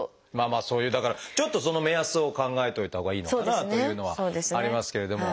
そういうだからちょっとその目安を考えといたほうがいいのかなというのはありますけれども。